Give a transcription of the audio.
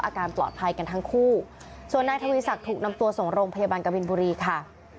อาการปลอดภัยกันทั้งคู่ส่วนนายทวีศักดิ์ถูกนำตัวส่งโรงพยาบาลกบินบุรีค่ะ